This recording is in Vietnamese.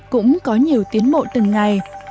cũng có nhiều tiến bộ từng ngày